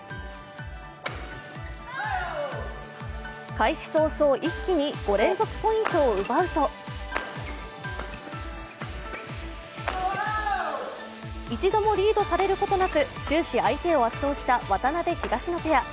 開始早々、一気に５連続ポイントを奪うと一度もリードされることなく終始、相手を圧倒した渡辺・東野ペア。